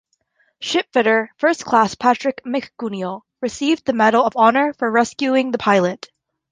Shipfitter First Class Patrick McGunigal received the Medal of Honor for rescuing the pilot.